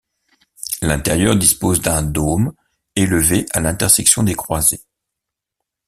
L'intérieur dispose d'un dôme élevé à l'intersection des croisées.